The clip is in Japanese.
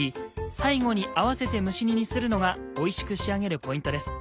最後に合わせて蒸し煮にするのがおいしく仕上げるポイントです。